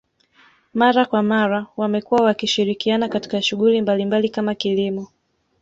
Mara kwa mara wamekuwa wakishirikiana katika shughuli mbalimbali kama kilimo